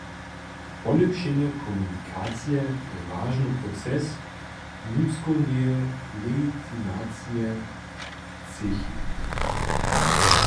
Polěpšenje komunikacije je wažny proces nutřkowneje legitimacije třěchi.